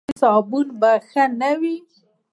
ایا ستاسو صابون به ښه نه وي؟